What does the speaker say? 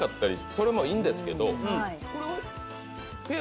それもいいんだけどね。